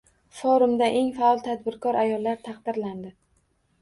Forumda eng faol tadbirkor ayollar taqdirlandi